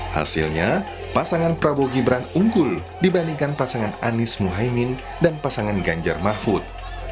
hasilnya pasangan prabowo gibran unggul dibandingkan pasangan anies muhaymin dan pasangan ganjar mahfud